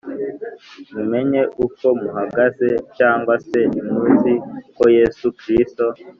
mumenye uko muhagaze Cyangwa se ntimuzi ko Yesu Kristo